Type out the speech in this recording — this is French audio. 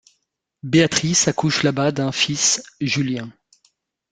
Béatrice accouche là-bas d’un fils, Julien.